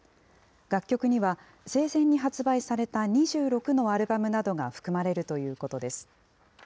楽曲には、生前に発売された２６のアルバムなどが含まれるということです。